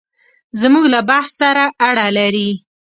زموږ له بحث سره اړه لري.